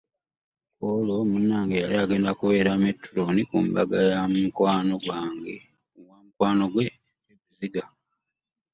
Ku olwo munnange yali agenda kubeera mettulooni ku mbaga ya mukwano gwe e Buziga.